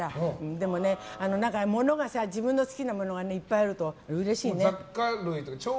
でもね、自分の好きなものがいっぱいあるとうれしいね。